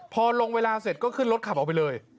พอลงเวลาเสร็จก็ขึ้นรถขับออกไปเลย